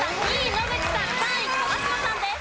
野口さん３位川島さんです。